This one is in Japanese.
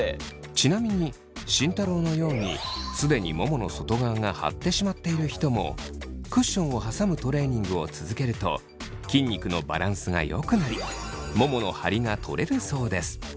ちなみに慎太郎のように既にももの外側が張ってしまっている人もクッションを挟むトレーニングを続けると筋肉のバランスがよくなりももの張りが取れるそうです。